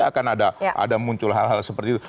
akan ada muncul hal hal seperti itu